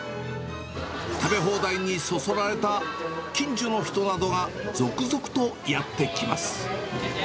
食べ放題にそそられた近所の人などが続々とやって来ます。